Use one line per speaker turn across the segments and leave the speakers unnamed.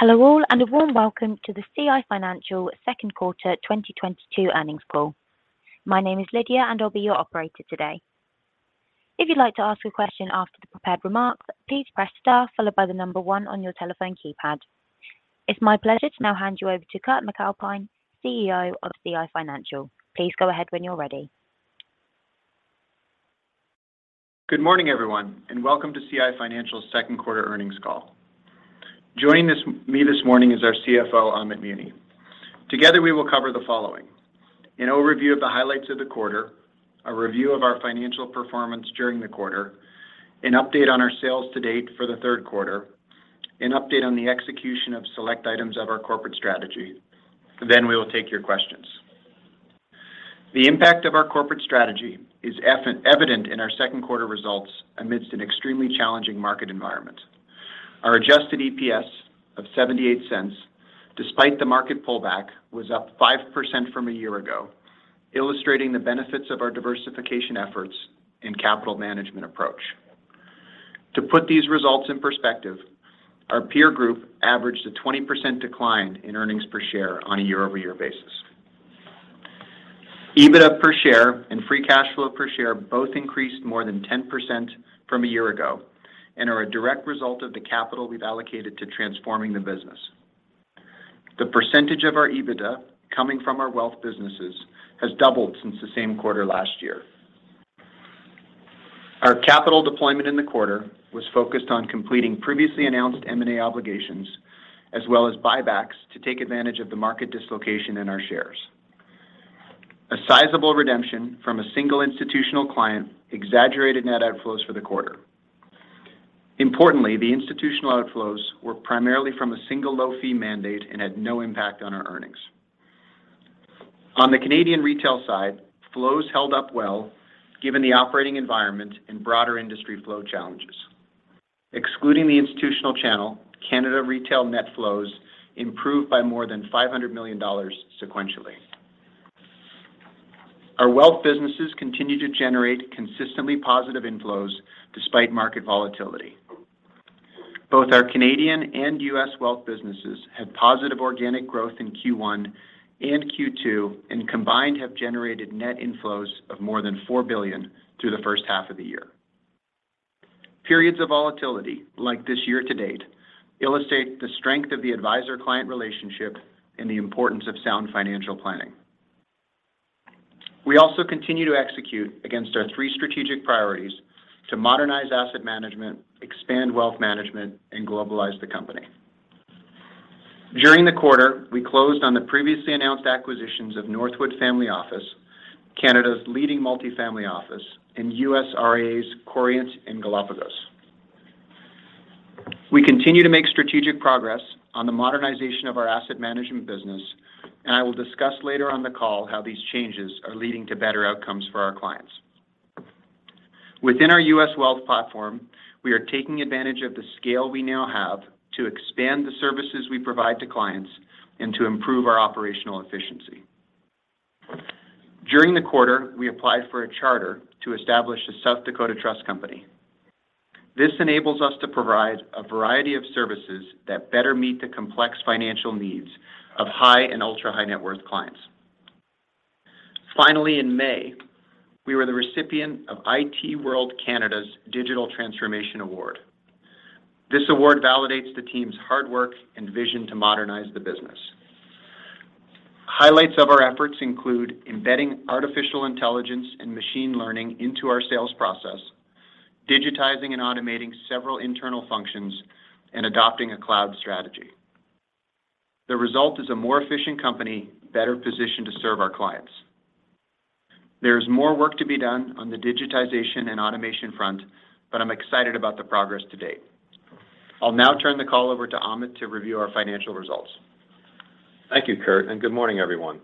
Hello all, and a warm welcome to the CI Financial second quarter 2022 earnings call. My name is Lydia, and I'll be your operator today. If you'd like to ask a question after the prepared remarks, please press Star followed by the number one on your telephone keypad. It's my pleasure to now hand you over to Kurt MacAlpine, CEO of CI Financial. Please go ahead when you're ready.
Good morning, everyone, and welcome to CI Financial's second quarter earnings call. Joining me this morning is our CFO, Amit Muni. Together, we will cover the following. An overview of the highlights of the quarter. A review of our financial performance during the quarter. An update on our sales to date for the third quarter. An update on the execution of select items of our corporate strategy. Then we will take your questions. The impact of our corporate strategy is evident in our second quarter results amid an extremely challenging market environment. Our adjusted EPS of 0.78, despite the market pullback, was up 5% from a year ago, illustrating the benefits of our diversification efforts and capital management approach. To put these results in perspective, our peer group averaged a 20% decline in earnings per share on a year-over-year basis. EBITDA per share and free cash flow per share both increased more than 10% from a year ago and are a direct result of the capital we've allocated to transforming the business. The percentage of our EBITDA coming from our wealth businesses has doubled since the same quarter last year. Our capital deployment in the quarter was focused on completing previously announced M&A obligations, as well as buybacks to take advantage of the market dislocation in our shares. A sizable redemption from a single institutional client exaggerated net outflows for the quarter. Importantly, the institutional outflows were primarily from a single low-fee mandate and had no impact on our earnings. On the Canadian retail side, flows held up well given the operating environment and broader industry flow challenges. Excluding the institutional channel, Canada Retail net flows improved by more than 500 million dollars sequentially. Our wealth businesses continue to generate consistently positive inflows despite market volatility. Both our Canadian and US wealth businesses had positive organic growth in Q1 and Q2, and combined have generated net inflows of more than 4 billion through the first half of the year. Periods of volatility like this year to date illustrate the strength of the advisor-client relationship and the importance of sound financial planning. We also continue to execute against our three strategic priorities to modernize asset management, expand wealth management, and globalize the company. During the quarter, we closed on the previously announced acquisitions of Northwood Family Office, Canada's leading multi-family office, and US RIAs, Corient and Galapagos Partners. We continue to make strategic progress on the modernization of our asset management business, and I will discuss later on the call how these changes are leading to better outcomes for our clients. Within our US Wealth platform, we are taking advantage of the scale we now have to expand the services we provide to clients and to improve our operational efficiency. During the quarter, we applied for a charter to establish a South Dakota trust company. This enables us to provide a variety of services that better meet the complex financial needs of high and ultra-high net worth clients. Finally, in May, we were the recipient of IT World Canada’s Digital Transformation Award. This award validates the team’s hard work and vision to modernize the business. Highlights of our efforts include embedding artificial intelligence and machine learning into our sales process, digitizing and automating several internal functions, and adopting a cloud strategy. The result is a more efficient company better positioned to serve our clients. There is more work to be done on the digitization and automation front, but I'm excited about the progress to date. I'll now turn the call over to Amit to review our financial results.
Thank you, Kurt, and good morning, everyone.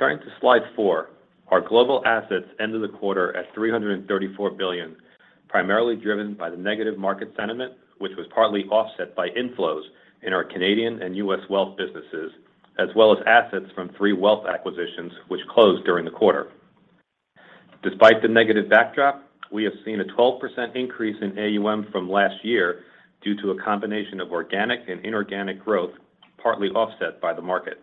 Turning to slide four, our global assets ended the quarter at 334 billion, primarily driven by the negative market sentiment, which was partly offset by inflows in our Canadian and US wealth businesses, as well as assets from three wealth acquisitions which closed during the quarter. Despite the negative backdrop, we have seen a 12% increase in AUM from last year due to a combination of organic and inorganic growth, partly offset by the market.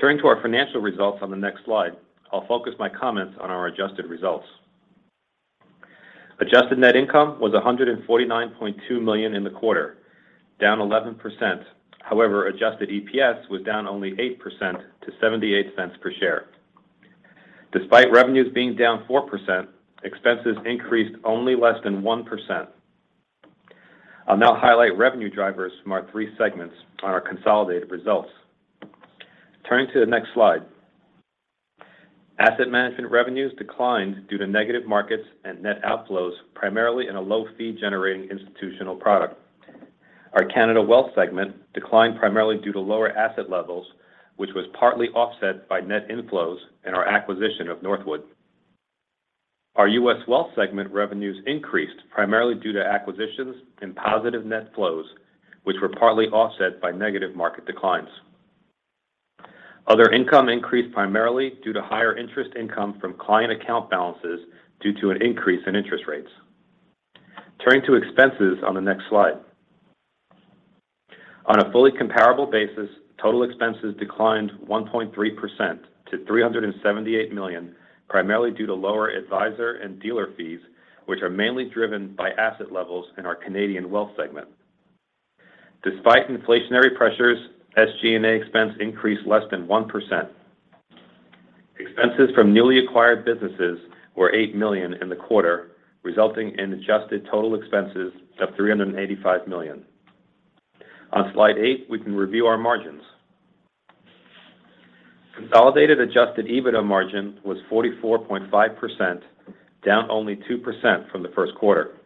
Turning to our financial results on the next slide, I'll focus my comments on our adjusted results. Adjusted net income was 149.2 million in the quarter, down 11%. However, adjusted EPS was down only 8% to 0.78 per share. Despite revenues being down 4%, expenses increased only less than 1%. I'll now highlight revenue drivers from our three segments on our consolidated results. Turning to the next slide. Asset management revenues declined due to negative markets and net outflows, primarily in a low fee generating institutional product. Our Canadian Wealth segment declined primarily due to lower asset levels, which was partly offset by net inflows in our acquisition of Northwood. Our US Wealth segment revenues increased primarily due to acquisitions and positive net flows, which were partly offset by negative market declines. Other income increased primarily due to higher interest income from client account balances due to an increase in interest rates. Turning to expenses on the next slide. On a fully comparable basis, total expenses declined 1.3% to 378 million, primarily due to lower advisor and dealer fees, which are mainly driven by asset levels in our Canadian Wealth segment. Despite inflationary pressures, SG&A expense increased less than 1%. Expenses from newly acquired businesses were 8 million in the quarter, resulting in adjusted total expenses of 385 million. On slide 8, we can review our margins. Consolidated adjusted EBITDA margin was 44.5%, down only 2% from the first quarter.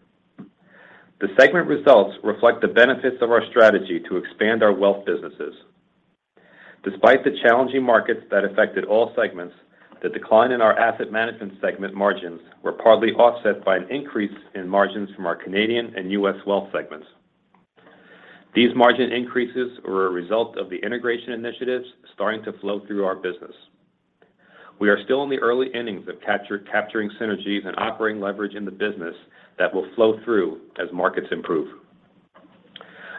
The segment results reflect the benefits of our strategy to expand our wealth businesses. Despite the challenging markets that affected all segments, the decline in our asset management segment margins were partly offset by an increase in margins from our Canadian and U.S. wealth segments. These margin increases were a result of the integration initiatives starting to flow through our business. We are still in the early innings of capturing synergies and operating leverage in the business that will flow through as markets improve.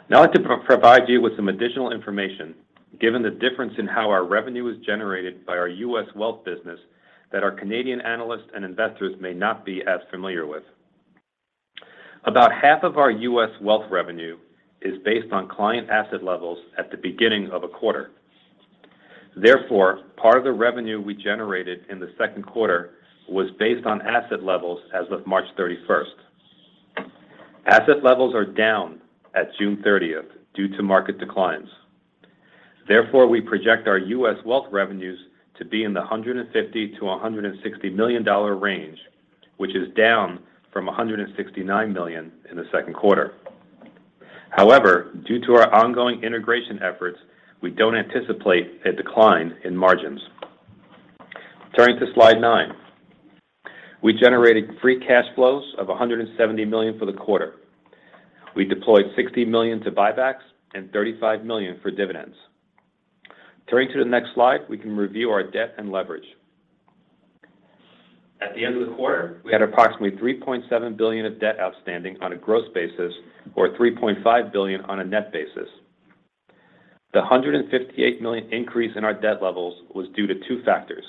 Now I'd like to provide you with some additional information given the difference in how our revenue is generated by our US wealth business that our Canadian analysts and investors may not be as familiar with. About half of our US wealth revenue is based on client asset levels at the beginning of a quarter. Therefore, part of the revenue we generated in the second quarter was based on asset levels as of March thirty-first. Asset levels are down at June thirtieth due to market declines. Therefore, we project our US wealth revenues to be in the $150-$160 million range, which is down from $169 million in the second quarter. However, due to our ongoing integration efforts, we don't anticipate a decline in margins. Turning to slide nine. We generated free cash flows of 170 million for the quarter. We deployed 60 million to buybacks and 35 million for dividends. Turning to the next slide, we can review our debt and leverage. At the end of the quarter, we had approximately 3.7 billion of debt outstanding on a gross basis or 3.5 billion on a net basis. The 158 million increase in our debt levels was due to two factors.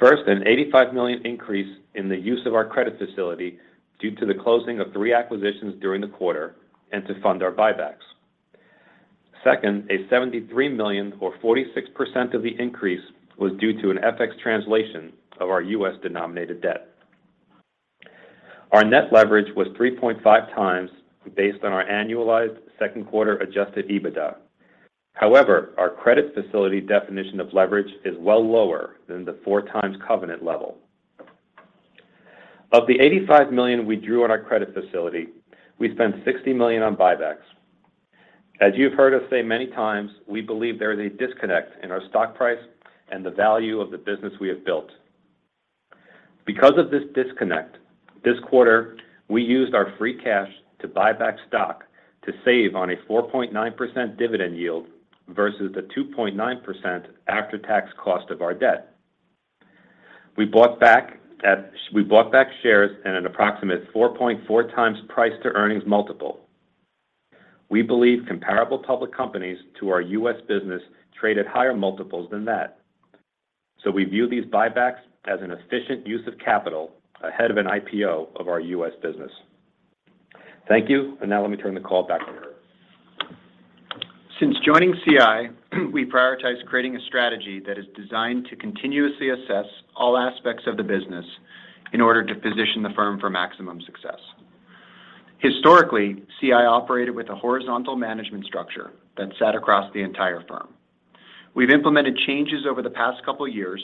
First, an 85 million increase in the use of our credit facility due to the closing of three acquisitions during the quarter and to fund our buybacks. Second, a 73 million or 46% of the increase was due to an FX translation of our US-denominated debt. Our net leverage was 3.5 times based on our annualized second quarter adjusted EBITDA. However, our credit facility definition of leverage is well lower than the 4x covenant level. Of the 85 million we drew on our credit facility, we spent 60 million on buybacks. As you've heard us say many times, we believe there is a disconnect in our stock price and the value of the business we have built. Because of this disconnect, this quarter, we used our free cash to buy back stock to save on a 4.9% dividend yield versus the 2.9% after-tax cost of our debt. We bought back shares at an approximate 4.4x price to earnings multiple. We believe comparable public companies to our US business trade at higher multiples than that. We view these buybacks as an efficient use of capital ahead of an IPO of our US business. Thank you. Now let me turn the call back to Kurt.
Since joining CI, we prioritize creating a strategy that is designed to continuously assess all aspects of the business in order to position the firm for maximum success. Historically, CI operated with a horizontal management structure that sat across the entire firm. We've implemented changes over the past couple years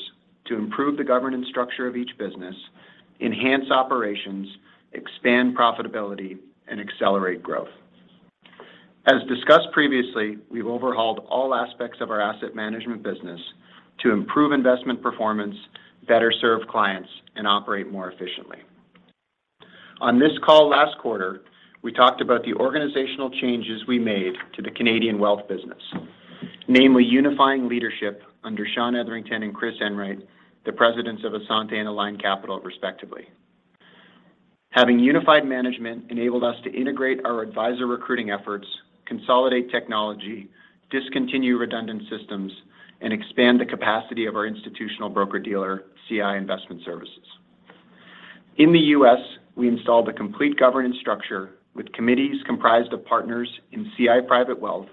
to improve the governance structure of each business, enhance operations, expand profitability, and accelerate growth. As discussed previously, we've overhauled all aspects of our asset management business to improve investment performance, better serve clients, and operate more efficiently. On this call last quarter, we talked about the organizational changes we made to the Canadian Wealth business, namely unifying leadership under Sean Etherington and Chris Enright, the presidents of Assante and Aligned Capital, respectively. Having unified management enabled us to integrate our advisor recruiting efforts, consolidate technology, discontinue redundant systems, and expand the capacity of our institutional broker-dealer, CI Investment Services. In the US, we installed a complete governance structure with committees comprised of partners in CI Private Wealth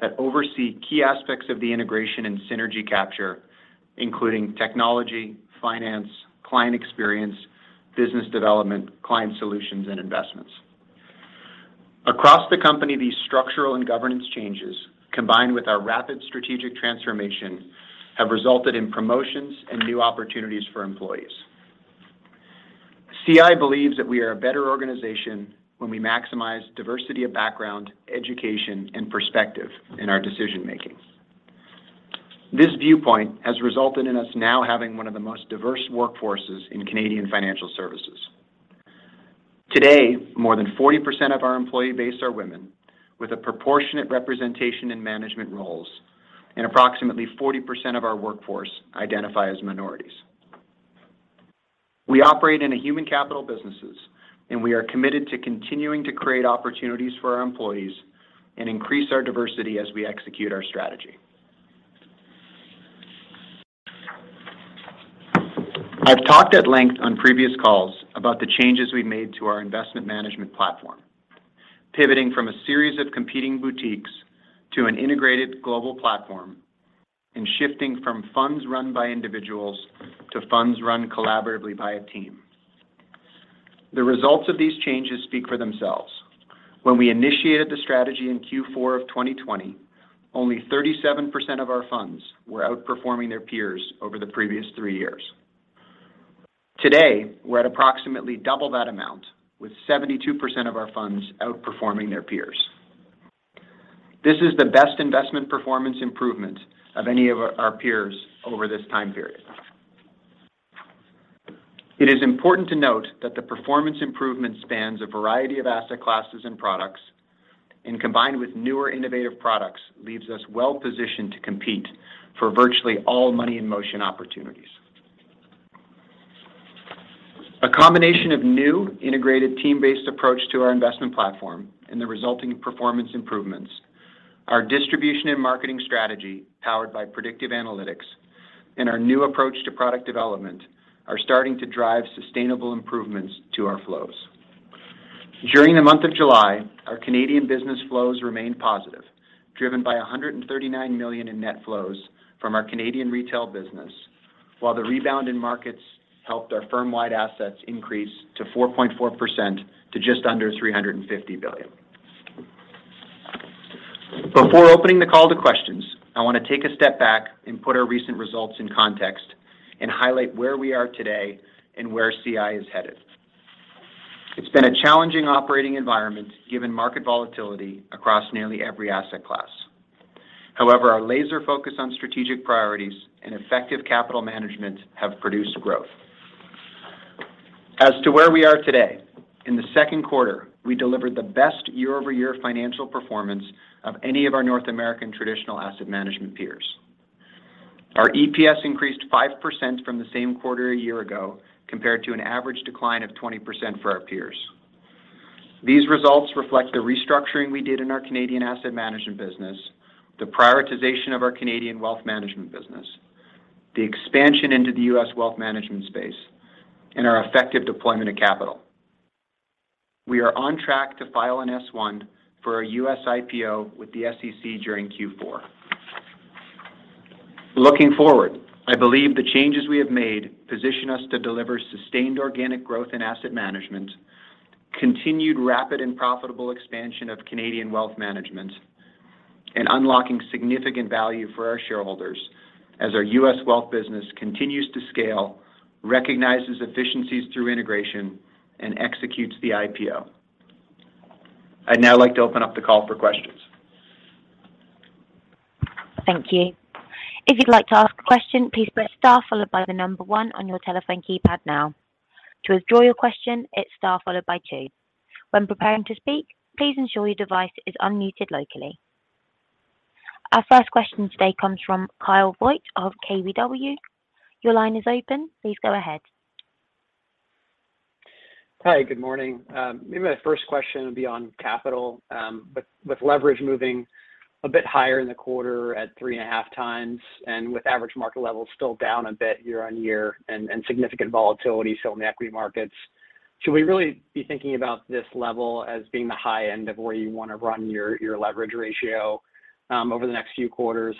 that oversee key aspects of the integration and synergy capture, including technology, finance, client experience, business development, client solutions, and investments. Across the company, these structural and governance changes, combined with our rapid strategic transformation, have resulted in promotions and new opportunities for employees. CI believes that we are a better organization when we maximize diversity of background, education, and perspective in our decision-making. This viewpoint has resulted in us now having one of the most diverse workforces in Canadian financial services. Today, more than 40% of our employee base are women, with a proportionate representation in management roles, and approximately 40% of our workforce identify as minorities. We operate in human capital businesses, and we are committed to continuing to create opportunities for our employees and increase our diversity as we execute our strategy. I've talked at length on previous calls about the changes we made to our investment management platform, pivoting from a series of competing boutiques to an integrated global platform, and shifting from funds run by individuals to funds run collaboratively by a team. The results of these changes speak for themselves. When we initiated the strategy in Q4 of 2020, only 37% of our funds were outperforming their peers over the previous three years. Today, we're at approximately double that amount, with 72% of our funds outperforming their peers. This is the best investment performance improvement of any of our peers over this time period. It is important to note that the performance improvement spans a variety of asset classes and products, and combined with newer innovative products, leaves us well-positioned to compete for virtually all money in motion opportunities. A combination of a new integrated team-based approach to our investment platform and the resulting performance improvements. Our distribution and marketing strategy, powered by predictive analytics, and our new approach to product development are starting to drive sustainable improvements to our flows. During the month of July, our Canadian business flows remained positive, driven by 139 million in net flows from our Canadian retail business, while the rebound in markets helped our firm-wide assets increase 4.4% to just under 350 billion. Before opening the call to questions, I want to take a step back and put our recent results in context and highlight where we are today and where CI is headed. It's been a challenging operating environment, given market volatility across nearly every asset class. However, our laser focus on strategic priorities and effective capital management have produced growth. As to where we are today, in the second quarter, we delivered the best year-over-year financial performance of any of our North American traditional asset management peers. Our EPS increased 5% from the same quarter a year ago, compared to an average decline of 20% for our peers. These results reflect the restructuring we did in our Canadian asset management business, the prioritization of our Canadian wealth management business, the expansion into the U.S. wealth management space, and our effective deployment of capital. We are on track to file an S-1 for our US IPO with the SEC during Q4. Looking forward, I believe the changes we have made position us to deliver sustained organic growth in asset management, continued rapid and profitable expansion of Canadian wealth management, and unlocking significant value for our shareholders as our US wealth business continues to scale, recognizes efficiencies through integration, and executes the IPO. I'd now like to open up the call for questions.
Thank you. If you'd like to ask a question, please press Star followed by the number one on your telephone keypad now. To withdraw your question, it's Star followed by two. When preparing to speak, please ensure your device is unmuted locally. Our first question today comes from Kyle Voigt of KBW. Your line is open. Please go ahead.
Hi, good morning. Maybe my first question would be on capital, but with leverage moving a bit higher in the quarter at 3.5x, and with average market levels still down a bit year-over-year and significant volatility still in the equity markets, should we really be thinking about this level as being the high end of where you want to run your leverage ratio over the next few quarters?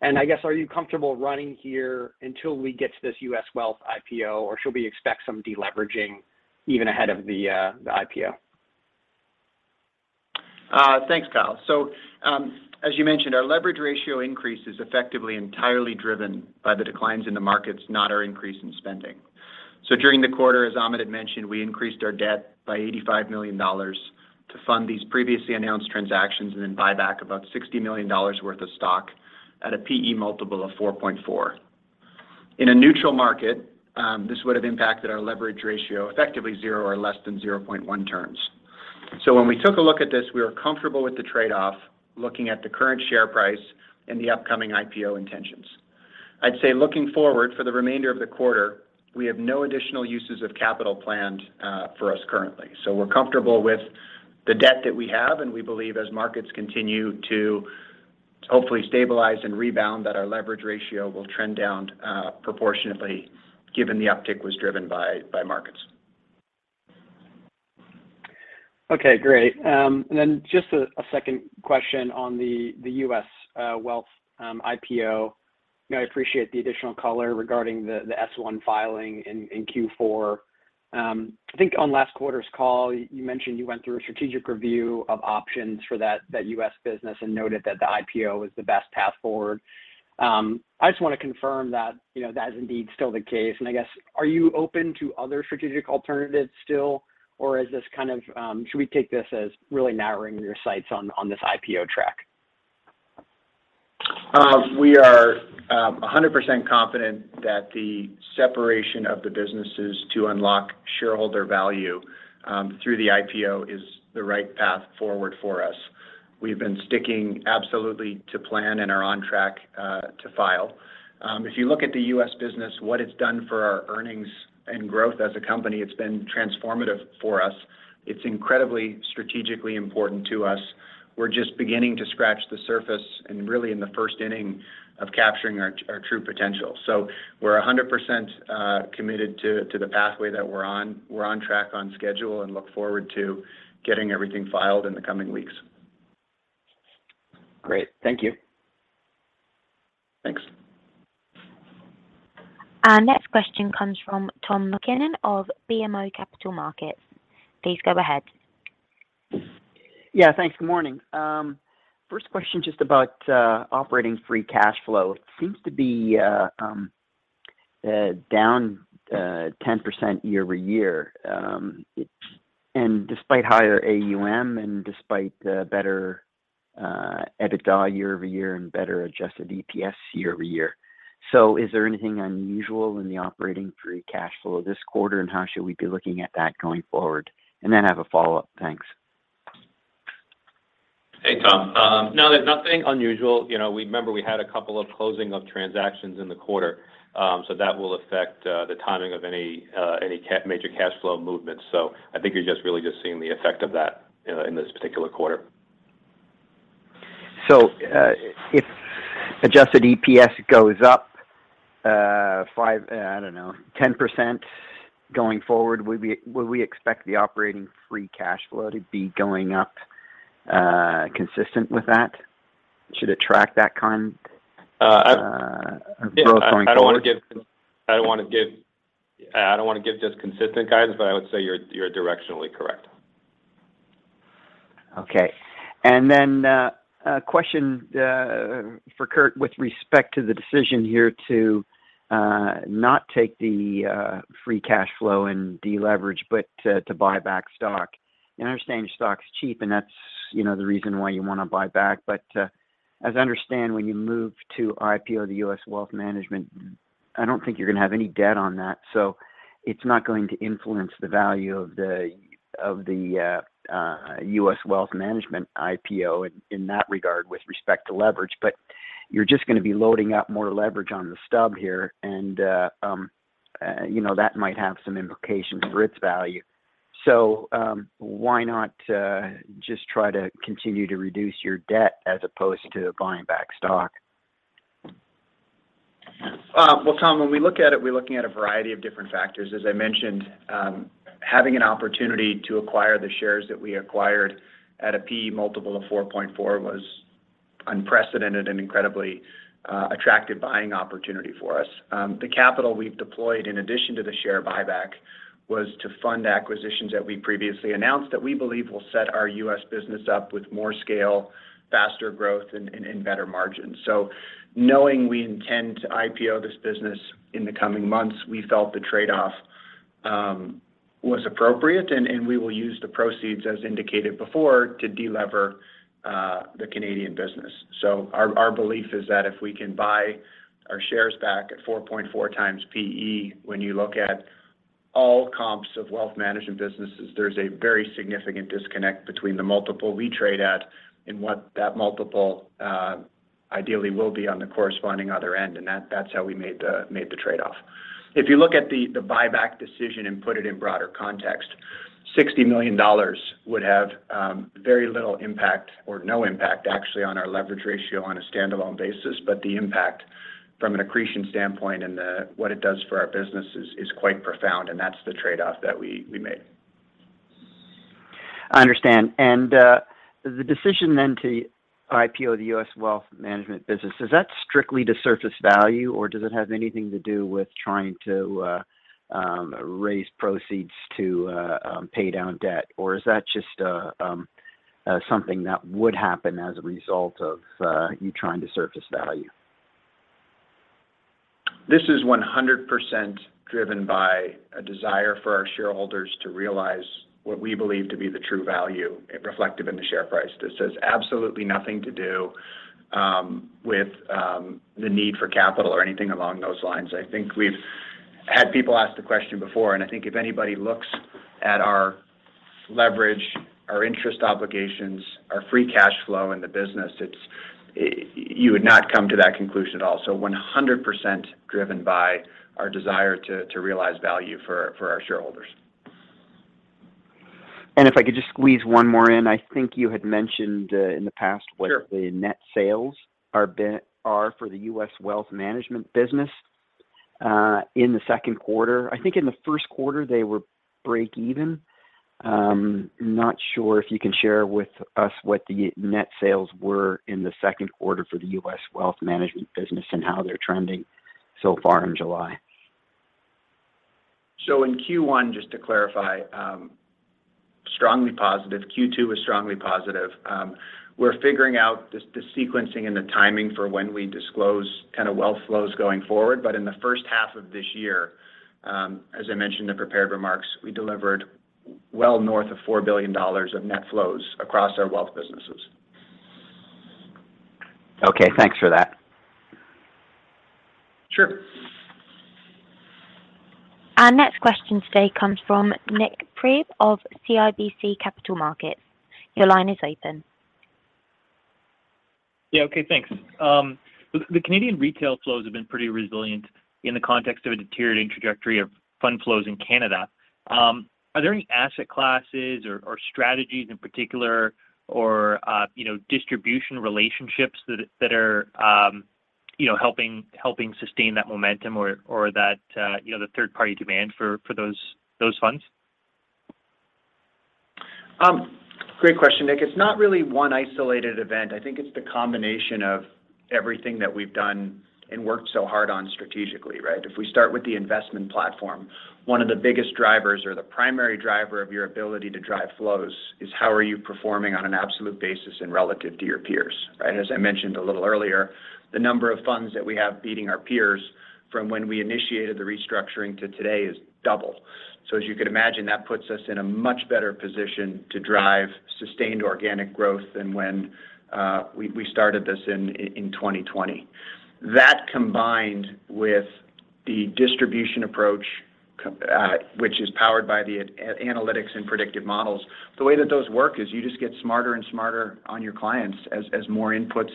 I guess, are you comfortable running here until we get to this U.S. Wealth IPO, or should we expect some deleveraging even ahead of the IPO?
Thanks, Kyle. As you mentioned, our leverage ratio increase is effectively entirely driven by the declines in the markets, not our increase in spending. During the quarter, as Amit had mentioned, we increased our debt by 85 million dollars to fund these previously announced transactions and then buy back about 60 million dollars worth of stock at a P/E multiple of 4.4. In a neutral market, this would have impacted our leverage ratio effectively zero or less than 0.1 turns. When we took a look at this, we were comfortable with the trade-off, looking at the current share price and the upcoming IPO intentions. I'd say looking forward, for the remainder of the quarter, we have no additional uses of capital planned for us currently. We're comfortable with the debt that we have, and we believe as markets continue to hopefully stabilize and rebound, that our leverage ratio will trend down, proportionately given the uptick was driven by markets.
Okay, great. And then just a second question on the U.S. wealth IPO. You know, I appreciate the additional color regarding the S-1 filing in Q4. I think on last quarter's call you mentioned you went through a strategic review of options for that U.S. business and noted that the IPO was the best path forward. I just wanna confirm that, you know, that is indeed still the case, and I guess are you open to other strategic alternatives still, or is this kind of should we take this as really narrowing your sights on this IPO track?
We are 100% confident that the separation of the businesses to unlock shareholder value through the IPO is the right path forward for us. We've been sticking absolutely to plan and are on track to file. If you look at the US business, what it's done for our earnings and growth as a company, it's been transformative for us. It's incredibly strategically important to us. We're just beginning to scratch the surface and really in the first inning of capturing our true potential. We're 100% committed to the pathway that we're on. We're on track, on schedule, and look forward to getting everything filed in the coming weeks.
Great. Thank you.
Thanks.
Our next question comes from Tom MacKinnon of BMO Capital Markets. Please go ahead.
Yeah, thanks. Good morning. First question, just about operating free cash flow. Seems to be down 10% year-over-year and despite higher AUM and despite better EBITDA year-over-year and better adjusted EPS year-over-year. Is there anything unusual in the operating free cash flow this quarter, and how should we be looking at that going forward? I have a follow-up. Thanks.
Hey, Tom. No, there's nothing unusual. You know, remember we had a couple of closing of transactions in the quarter, so that will affect the timing of any major cash flow movement. I think you're just really just seeing the effect of that, you know, in this particular quarter.
If adjusted EPS goes up 5, I don't know, 10% going forward, would we expect the operating free cash flow to be going up consistent with that? Should it track that kind of growth going forward?
Yeah. I don't wanna give just consistent guidance, but I would say you're directionally correct.
Okay. A question for Kurt with respect to the decision here to not take the free cash flow and deleverage, but to buy back stock. I understand stock's cheap, and that's, you know, the reason why you wanna buy back. As I understand, when you move to IPO the US Wealth Management, I don't think you're gonna have any debt on that, so it's not going to influence the value of the US Wealth Management IPO in that regard with respect to leverage. You're just gonna be loading up more leverage on the stub here and, you know, that might have some implications for its value. Why not just try to continue to reduce your debt as opposed to buying back stock?
Tom, when we look at it, we're looking at a variety of different factors. As I mentioned, having an opportunity to acquire the shares that we acquired at a P/E multiple of 4.4 was unprecedented and incredibly attractive buying opportunity for us. The capital we've deployed in addition to the share buyback was to fund acquisitions that we previously announced that we believe will set our U.S. business up with more scale, faster growth, and better margins. Knowing we intend to IPO this business in the coming months, we felt the trade-off was appropriate, and we will use the proceeds as indicated before to de-lever the Canadian business. Our belief is that if we can buy our shares back at 4.4x P/E, when you look at all comps of wealth management businesses, there's a very significant disconnect between the multiple we trade at and what that multiple ideally will be on the corresponding other end, and that's how we made the trade-off. If you look at the buyback decision and put it in broader context, 60 million dollars would have very little impact or no impact actually on our leverage ratio on a standalone basis. The impact from an accretion standpoint and what it does for our business is quite profound, and that's the trade-off that we made.
I understand. The decision then to IPO the US Wealth Management business, is that strictly to surface value, or does it have anything to do with trying to raise proceeds to pay down debt? Or is that just something that would happen as a result of you trying to surface value?
This is 100% driven by a desire for our shareholders to realize what we believe to be the true value reflected in the share price. This has absolutely nothing to do with the need for capital or anything along those lines. I think we've had people ask the question before, and I think if anybody looks at our leverage, our interest obligations, our free cash flow in the business, you would not come to that conclusion at all. 100% driven by our desire to realize value for our shareholders.
If I could just squeeze one more in. I think you had mentioned in the past.
Sure
...what the net sales are for the US Wealth Management business, in the second quarter. I think in the first quarter, they were break even. Not sure if you can share with us what the net sales were in the second quarter for the US Wealth Management business and how they're trending so far in July.
In Q1, just to clarify, strongly positive. Q2 was strongly positive. We're figuring out the sequencing and the timing for when we disclose kind of wealth flows going forward. In the first half of this year, as I mentioned in prepared remarks, we delivered well north of 4 billion dollars of net flows across our wealth businesses.
Okay, thanks for that.
Sure.
Our next question today comes from Nik Priebe of CIBC Capital Markets. Your line is open.
Yeah. Okay, thanks. The Canadian retail flows have been pretty resilient in the context of a deteriorating trajectory of fund flows in Canada. Are there any asset classes or strategies in particular or you know, distribution relationships that are you know, helping sustain that momentum or that you know, the third-party demand for those funds?
Great question, Nick. It's not really one isolated event. I think it's the combination of everything that we've done and worked so hard on strategically, right? If we start with the investment platform, one of the biggest drivers or the primary driver of your ability to drive flows is how are you performing on an absolute basis and relative to your peers, right? As I mentioned a little earlier, the number of funds that we have beating our peers from when we initiated the restructuring to today is double. As you could imagine, that puts us in a much better position to drive sustained organic growth than when we started this in 2020. That combined with the distribution approach, which is powered by the analytics and predictive models. The way that those work is you just get smarter and smarter on your clients as more inputs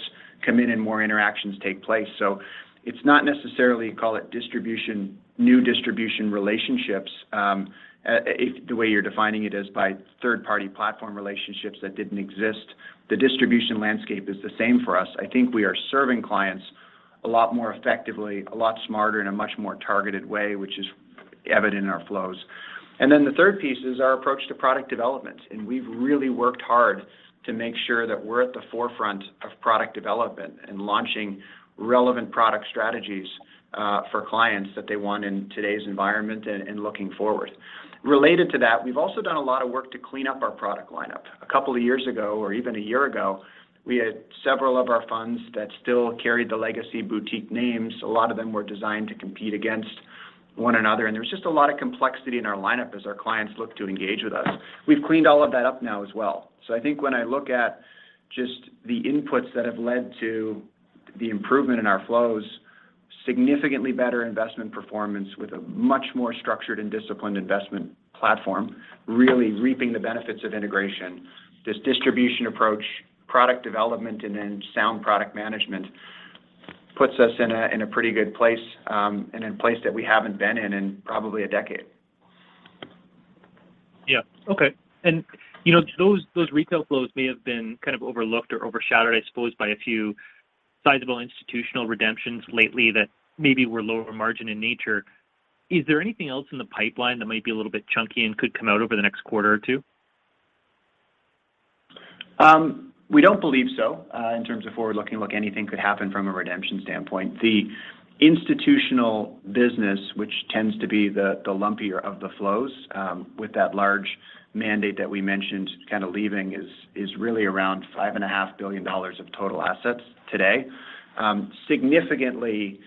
come in and more interactions take place. It's not necessarily call it distribution, new distribution relationships, if the way you're defining it is by third-party platform relationships that didn't exist. The distribution landscape is the same for us. I think we are serving clients a lot more effectively, a lot smarter in a much more targeted way, which is evident in our flows. Then the third piece is our approach to product development. We've really worked hard to make sure that we're at the forefront of product development and launching relevant product strategies, for clients that they want in today's environment and looking forward. Related to that, we've also done a lot of work to clean up our product lineup. A couple of years ago, or even a year ago, we had several of our funds that still carried the legacy boutique names. A lot of them were designed to compete against one another, and there was just a lot of complexity in our lineup as our clients look to engage with us. We've cleaned all of that up now as well. I think when I look at just the inputs that have led to the improvement in our flows, significantly better investment performance with a much more structured and disciplined investment platform, really reaping the benefits of integration. This distribution approach, product development, and then sound product management puts us in a pretty good place, and in a place that we haven't been in in probably a decade.
Yeah. Okay. You know, those retail flows may have been kind of overlooked or overshadowed, I suppose, by a few sizable institutional redemptions lately that maybe were lower margin in nature. Is there anything else in the pipeline that might be a little bit chunky and could come out over the next quarter or two?
We don't believe so. In terms of forward-looking, look, anything could happen from a redemption standpoint. The institutional business, which tends to be the lumpier of the flows, with that large mandate that we mentioned kind of leaving is really around five and a half billion dollars of total assets today. Significantly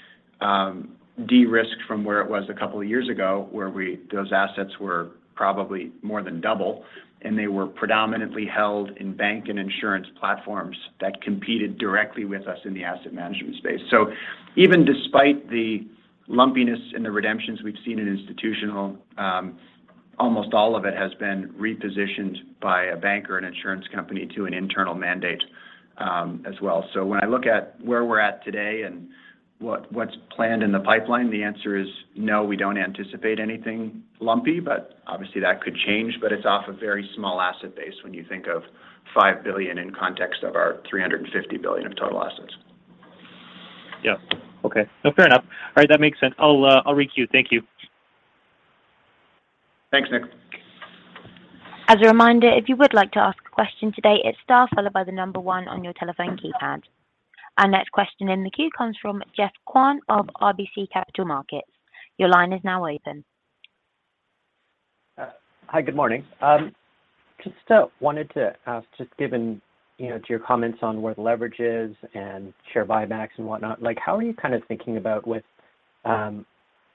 de-risked from where it was a couple of years ago, where those assets were probably more than double, and they were predominantly held in bank and insurance platforms that competed directly with us in the asset management space. Even despite the lumpiness in the redemptions we've seen in institutional, almost all of it has been repositioned by a bank or an insurance company to an internal mandate, as well. When I look at where we're at today and what's planned in the pipeline, the answer is no, we don't anticipate anything lumpy, but obviously, that could change, but it's off a very small asset base when you think of 5 billion in context of our 350 billion of total assets.
Yeah. Okay. No, fair enough. All right. That makes sense. I'll requeue. Thank you.
Thanks, Nik.
As a reminder, if you would like to ask a question today, it's star followed by the number one on your telephone keypad. Our next question in the queue comes from Geoff Kwan of RBC Capital Markets. Your line is now open.
Hi, good morning. Just wanted to ask, just given, you know, to your comments on where the leverage is and share buybacks and whatnot, like, how are you kind of thinking about with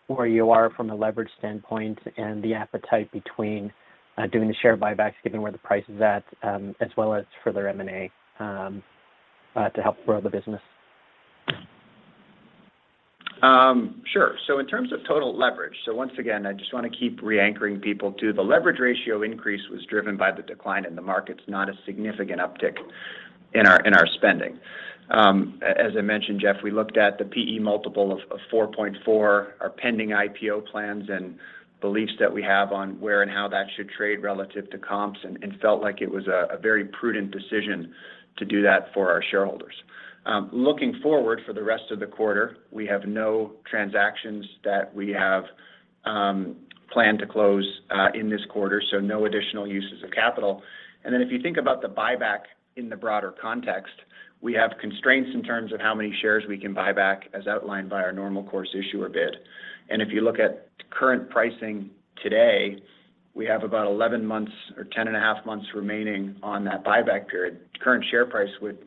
where you are from a leverage standpoint and the appetite between doing the share buybacks, given where the price is at, as well as further M&A to help grow the business?
Sure. In terms of total leverage. Once again, I just want to keep re-anchoring people to the leverage ratio increase was driven by the decline in the markets, not a significant uptick in our spending. As I mentioned, Jeff, we looked at the PE multiple of 4.4, our pending IPO plans and beliefs that we have on where and how that should trade relative to comps and felt like it was a very prudent decision to do that for our shareholders. Looking forward for the rest of the quarter, we have no transactions that we have planned to close in this quarter, so no additional uses of capital. If you think about the buyback in the broader context, we have constraints in terms of how many shares we can buy back as outlined by our Normal Course Issuer Bid. If you look at current pricing today, we have about 11 months or 10.5 months remaining on that buyback period. Current share price would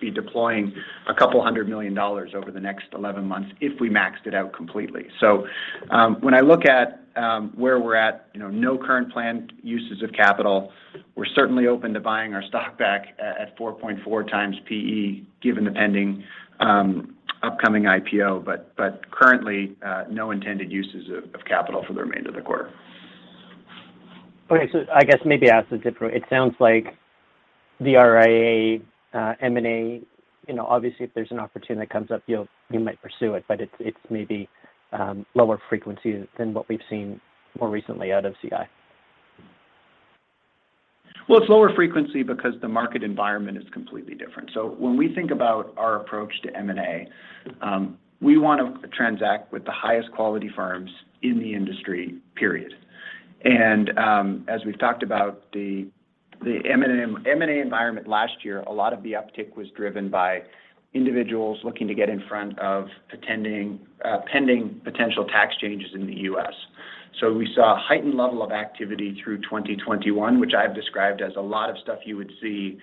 be deploying 200 million dollars over the next 11 months if we maxed it out completely. When I look at where we're at, you know, no current planned uses of capital. We're certainly open to buying our stock back at 4.4 times PE given the pending, upcoming IPO. But currently, no intended uses of capital for the remainder of the quarter.
It sounds like the RIA M&A, you know, obviously if there's an opportunity that comes up, you might pursue it, but it's maybe lower frequency than what we've seen more recently out of CI.
Well, it's lower frequency because the market environment is completely different. When we think about our approach to M&A, we want to transact with the highest quality firms in the industry, period. As we've talked about the M&A environment last year, a lot of the uptick was driven by individuals looking to get in front of anticipating pending potential tax changes in the U.S. We saw a heightened level of activity through 2021, which I've described as a lot of stuff you would see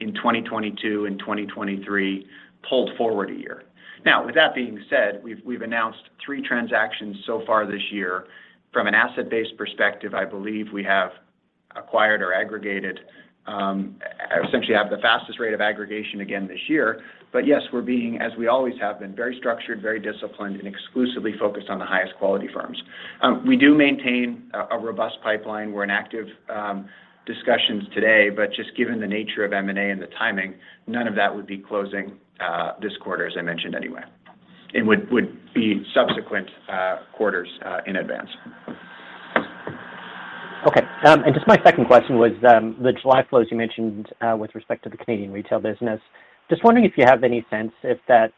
in 2022 and 2023 pulled forward a year. Now, with that being said, we've announced 3 transactions so far this year. From an asset-based perspective, I believe we have acquired or aggregated essentially have the fastest rate of aggregation again this year. Yes, we're being, as we always have been, very structured, very disciplined, and exclusively focused on the highest quality firms. We do maintain a robust pipeline. We're in active discussions today, but just given the nature of M&A and the timing, none of that would be closing this quarter, as I mentioned anyway. It would be subsequent quarters in advance.
Okay. Just my second question was the July flows you mentioned with respect to the Canadian retail business. Just wondering if you have any sense if that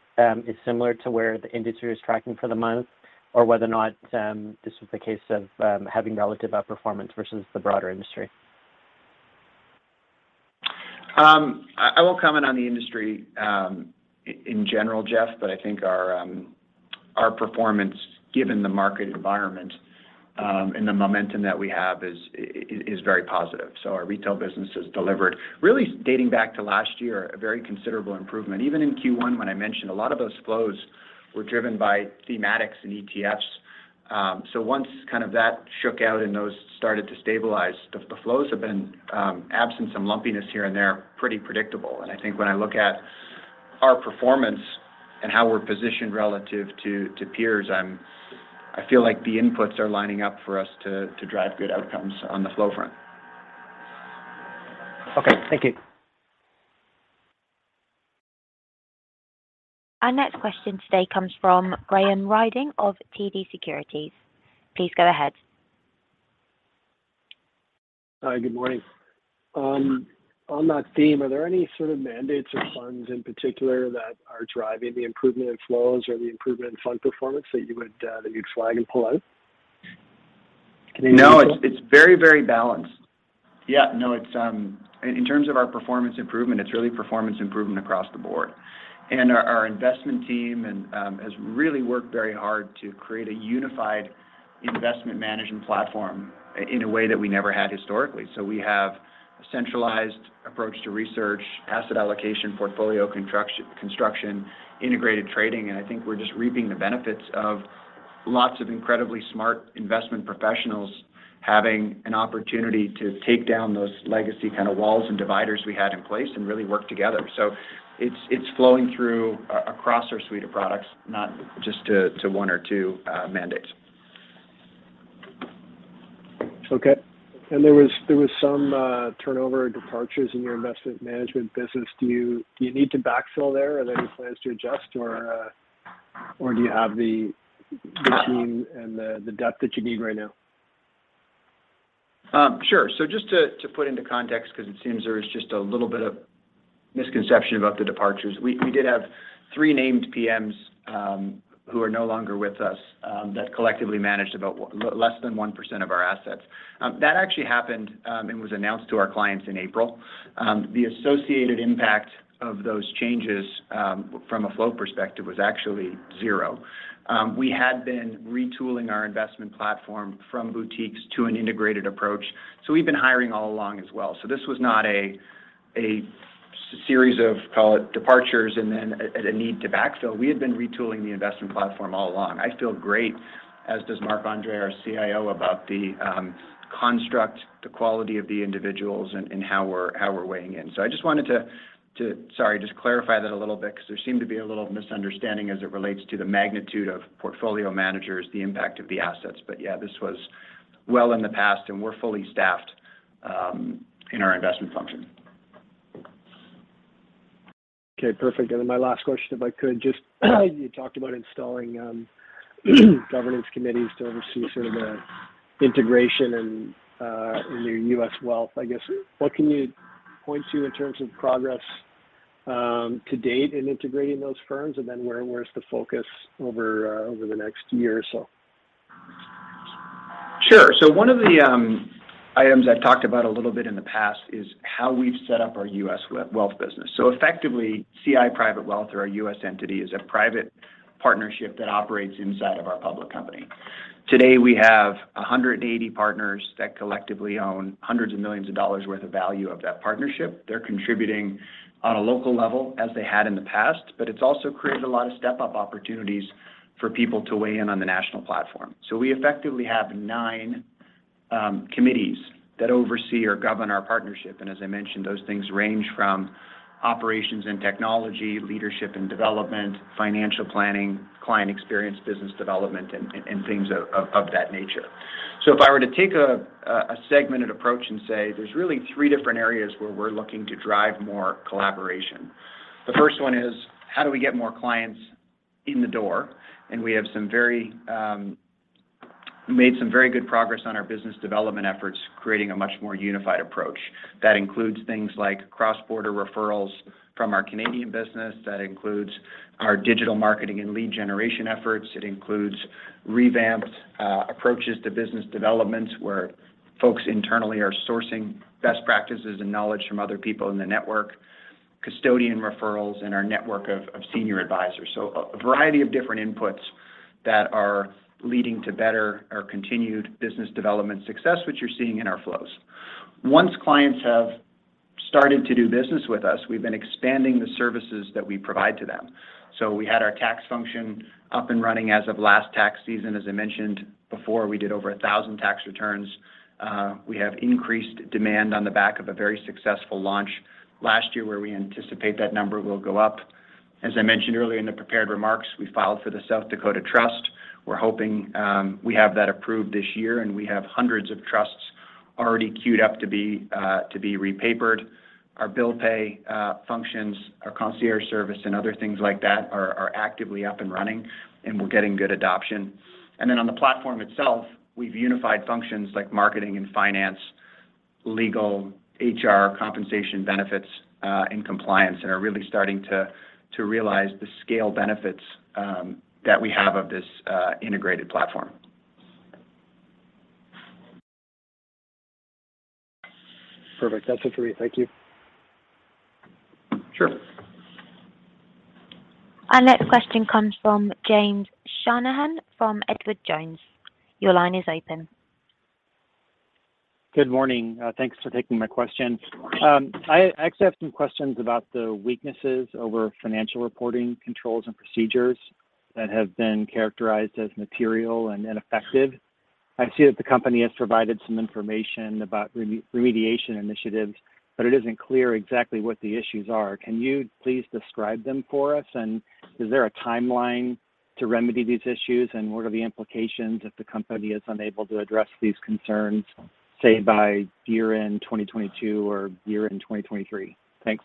is similar to where the industry is tracking for the month or whether or not this was the case of having relative outperformance versus the broader industry.
I won't comment on the industry in general, Jeff, but I think our performance, given the market environment and the momentum that we have is very positive. Our retail business has delivered, really dating back to last year, a very considerable improvement. Even in Q1 when I mentioned a lot of those flows were driven by thematics and ETFs. Once kind of that shook out and those started to stabilize, the flows have been, absent some lumpiness here and there, pretty predictable. I think when I look at our performance and how we're positioned relative to peers, I feel like the inputs are lining up for us to drive good outcomes on the flow front.
Okay. Thank you.
Our next question today comes from Graham Ryding of TD Securities. Please go ahead.
Hi, good morning. On that theme, are there any sort of mandates or funds in particular that are driving the improvement in flows or the improvement in fund performance that you'd flag and pull out? Can you-
No, it's very, very balanced. Yeah. No, it's. In terms of our performance improvement, it's really performance improvement across the board. Our investment team has really worked very hard to create a unified investment management platform in a way that we never had historically. We have a centralized approach to research, asset allocation, portfolio construction, integrated trading, and I think we're just reaping the benefits of lots of incredibly smart investment professionals having an opportunity to take down those legacy kind of walls and dividers we had in place and really work together. It's flowing through across our suite of products, not just to one or two mandates.
Okay. There was some turnover and departures in your investment management business. Do you need to backfill there? Are there any plans to adjust or do you have the team and the depth that you need right now?
Sure. Just to put into context, because it seems there is just a little bit of misconception about the departures. We did have three named PMs who are no longer with us that collectively managed about less than 1% of our assets. That actually happened and was announced to our clients in April. The associated impact of those changes from a flow perspective was actually zero. We had been retooling our investment platform from boutiques to an integrated approach, so we've been hiring all along as well. This was not a series of, call it departures and then a need to backfill. We had been retooling the investment platform all along. I feel great, as does Marc-André, our CIO, about the construct, the quality of the individuals and how we're weighing in. I just wanted to, sorry, just clarify that a little bit because there seemed to be a little misunderstanding as it relates to the magnitude of portfolio managers, the impact of the assets. Yeah, this was well in the past and we're fully staffed in our investment function.
Okay, perfect. My last question, if I could just, you talked about installing governance committees to oversee sort of the integration and in your U.S. wealth. I guess what can you point to in terms of progress to date in integrating those firms? Where's the focus over the next year or so?
Sure. One of the items I've talked about a little bit in the past is how we've set up our US wealth business. Effectively, CI Private Wealth or our US entity is a private partnership that operates inside of our public company. Today, we have 180 partners that collectively own $hundreds of millions worth of value of that partnership. They're contributing on a local level as they had in the past, but it's also created a lot of step-up opportunities for people to weigh in on the national platform. We effectively have nine Committees that oversee or govern our partnership. As I mentioned, those things range from operations and technology, leadership and development, financial planning, client experience, business development, and things of that nature. If I were to take a segmented approach and say there's really three different areas where we're looking to drive more collaboration. The first one is how do we get more clients in the door? We made some very good progress on our business development efforts, creating a much more unified approach. That includes things like cross-border referrals from our Canadian business. That includes our digital marketing and lead generation efforts. It includes revamped approaches to business development, where folks internally are sourcing best practices and knowledge from other people in the network, custodian referrals, and our network of senior advisors. A variety of different inputs that are leading to better or continued business development success, which you're seeing in our flows. Once clients have started to do business with us, we've been expanding the services that we provide to them. We had our tax function up and running as of last tax season. As I mentioned before, we did over 1,000 tax returns. We have increased demand on the back of a very successful launch last year, where we anticipate that number will go up. As I mentioned earlier in the prepared remarks, we filed for the South Dakota Trust. We're hoping we have that approved this year, and we have hundreds of trusts already queued up to be repapered. Our bill pay functions, our concierge service, and other things like that are actively up and running, and we're getting good adoption. On the platform itself, we've unified functions like marketing and finance, legal, HR, compensation benefits, and compliance, and are really starting to realize the scale benefits that we have of this integrated platform.
Perfect. That's it for me. Thank you.
Sure.
Our next question comes from James Shanahan from Edward Jones. Your line is open.
Good morning. Thanks for taking my question. I actually have some questions about the weaknesses over financial reporting controls and procedures that have been characterized as material and ineffective. I see that the company has provided some information about remediation initiatives, but it isn't clear exactly what the issues are. Can you please describe them for us? Is there a timeline to remedy these issues? What are the implications if the company is unable to address these concerns, say by year-end 2022 or year-end 2023? Thanks.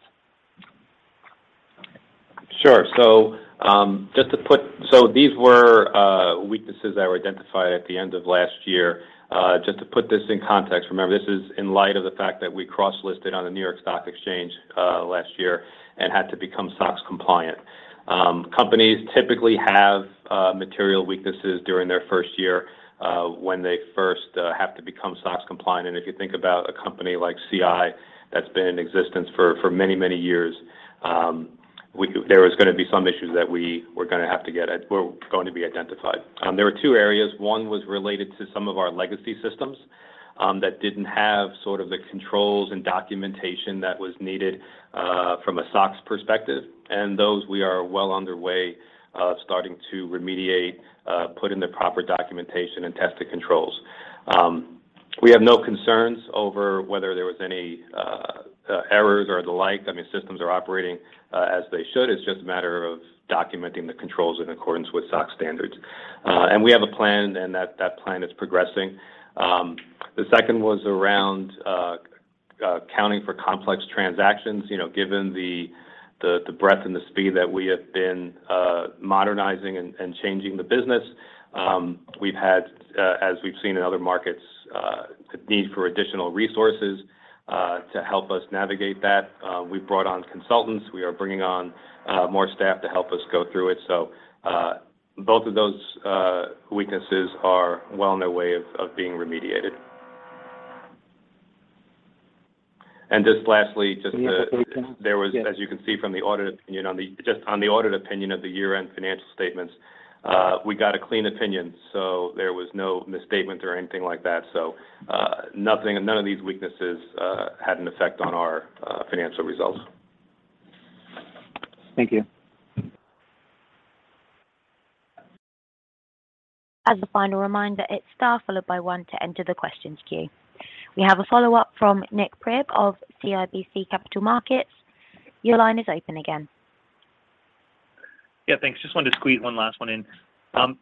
Sure. These were weaknesses that were identified at the end of last year. Just to put this in context, remember, this is in light of the fact that we cross-listed on the New York Stock Exchange last year and had to become SOX compliant. Companies typically have material weaknesses during their first year when they first have to become SOX compliant. If you think about a company like CI that's been in existence for many years, there was gonna be some issues that were going to be identified. There were two areas. One was related to some of our legacy systems that didn't have sort of the controls and documentation that was needed from a SOX perspective. Those we are well underway of starting to remediate, put in the proper documentation and test the controls. We have no concerns over whether there was any errors or the like. I mean, systems are operating as they should. It's just a matter of documenting the controls in accordance with SOX standards. We have a plan, and that plan is progressing. The second was around accounting for complex transactions. You know, given the breadth and the speed that we have been modernizing and changing the business, we've had, as we've seen in other markets, the need for additional resources to help us navigate that. We've brought on consultants. We are bringing on more staff to help us go through it. Both of those weaknesses are well on their way of being remediated. Just lastly, just
We have a follow-up.
Just on the audit opinion of the year-end financial statements, we got a clean opinion, so there was no misstatement or anything like that. None of these weaknesses had an effect on our financial results.
Thank you.
As a final reminder, it's star followed by one to enter the questions queue. We have a follow-up from Nik Priebe of CIBC Capital Markets. Your line is open again.
Yeah, thanks. Just wanted to squeeze one last one in.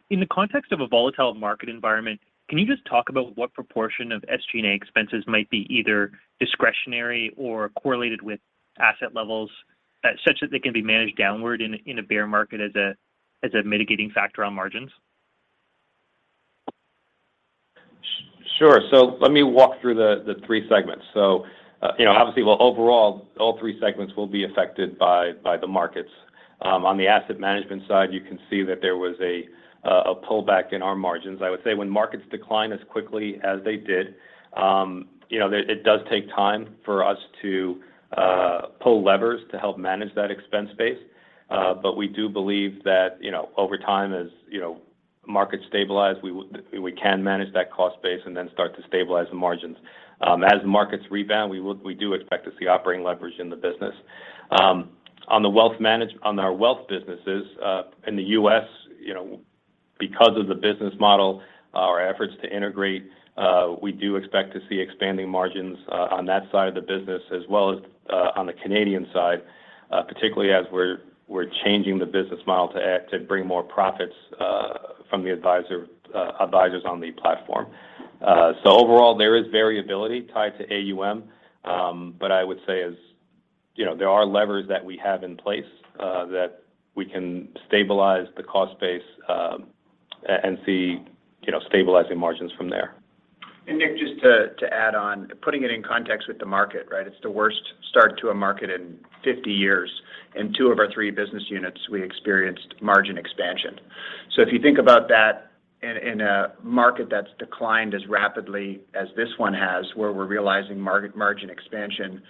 In the context of a volatile market environment, can you just talk about what proportion of SG&A expenses might be either discretionary or correlated with asset levels, such that they can be managed downward in a bear market as a mitigating factor on margins?
Sure. Let me walk through the three segments. You know, obviously, well, overall, all three segments will be affected by the markets. On the asset management side, you can see that there was a pullback in our margins. I would say when markets decline as quickly as they did, you know, it does take time for us to pull levers to help manage that expense base. We do believe that, you know, over time as markets stabilize, we can manage that cost base and then start to stabilize the margins.
As markets rebound, we do expect to see operating leverage in the business. On our wealth businesses in the US, you know, because of the business model, our efforts to integrate, we do expect to see expanding margins on that side of the business as well as on the Canadian side, particularly as we're changing the business model to bring more profits from the advisors on the platform. Overall, there is variability tied to AUM. I would say as you know, there are levers that we have in place that we can stabilize the cost base, and see you know, stabilizing margins from there.
Nick, just to add on, putting it in context with the market, right? It's the worst start to a market in 50 years. In two of our three business units, we experienced margin expansion. If you think about that in a market that's declined as rapidly as this one has, where we're realizing margin expansion,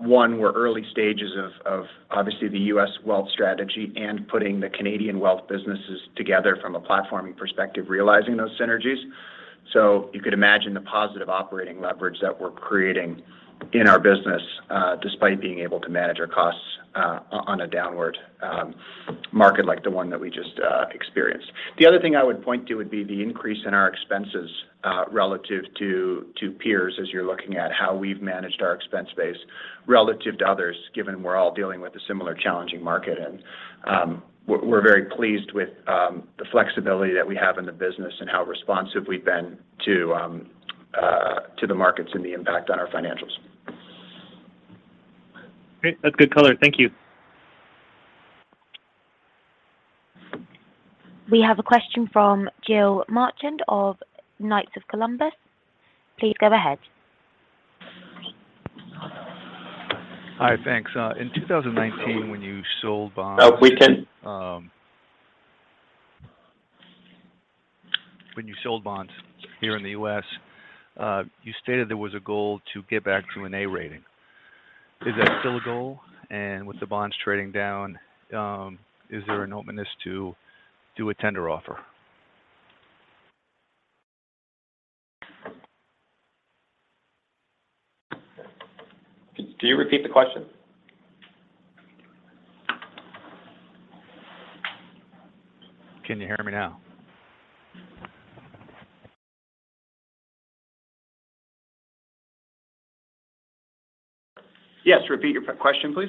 we're in early stages of obviously the US wealth strategy and putting the Canadian wealth businesses together from a platforming perspective, realizing those synergies. You could imagine the positive operating leverage that we're creating in our business, despite being able to manage our costs, on a downward market like the one that we just experienced. The other thing I would point to would be the increase in our expenses, relative to peers as you're looking at how we've managed our expense base relative to others, given we're all dealing with a similar challenging market. We're very pleased with the flexibility that we have in the business and how responsive we've been to the markets and the impact on our financials.
Great. That's good color. Thank you.
We have a question from Gilles Marchand of Knights of Columbus. Please go ahead.
Hi. Thanks. In 2019, when you sold bonds.
We can.
When you sold bonds here in the U.S., you stated there was a goal to get back to an A rating. Is that still a goal? With the bonds trading down, is there an openness to do a tender offer?
Could you repeat the question?
Can you hear me now?
Yes. Repeat your question, please.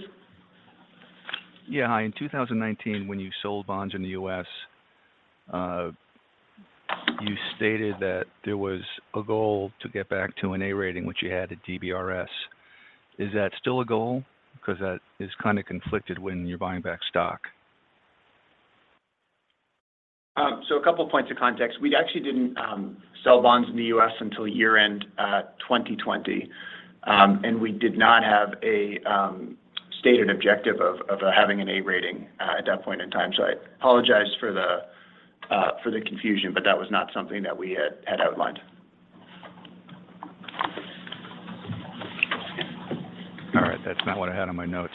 Yeah. Hi. In 2019, when you sold bonds in the U.S., you stated that there was a goal to get back to an A rating, which you had at DBRS. Is that still a goal? Because that is kinda conflicted when you're buying back stock.
A couple points of context. We actually didn't sell bonds in the U.S. until year-end 2020. We did not have a stated objective of having an A rating at that point in time. I apologize for the confusion, but that was not something that we had outlined.
All right. That's not what I had on my notes.